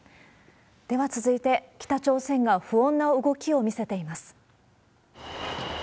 では続いて、北朝鮮が不穏な動きを見せています。